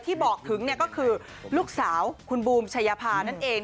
ที่บอกถึงก็คือลูกสาวคุณบูมชายภานั่นเอง